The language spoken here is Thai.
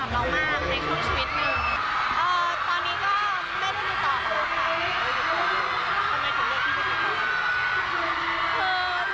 มันไทยแหละมีความรู้สึกดีกับกันมาก